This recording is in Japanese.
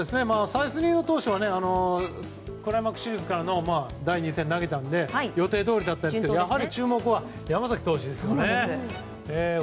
サイスニード投手はクライマックスシリーズからの第２戦投げたので予定どおりだったんですけど注目は山崎投手ですよね。